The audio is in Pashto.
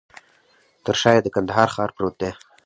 تر شاه یې د کندهار ښار پروت دی.